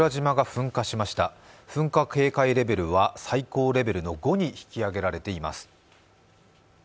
噴火警戒レベルは最高レベルの５に引き上げられています。